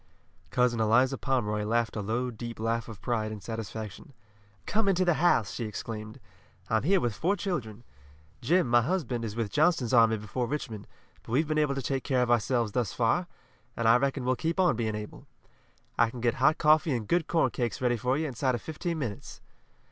Cousin Eliza Pomeroy laughed a low, deep laugh of pride and satisfaction. "Come into the house," she exclaimed. "I'm here with four children. Jim, my husband, is with Johnston's army before Richmond, but we've been able to take care of ourselves thus far, and I reckon we'll keep on being able. I can get hot coffee and good corn cakes ready for you inside of fifteen minutes."